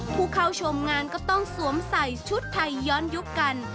ผู้เข้าชมงานก็ต้องสวมใส่ชุดไทยย้อนยุคกัน